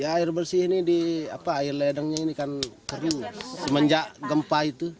air bersih ini di air ledengnya ini kan kering semenjak gempa itu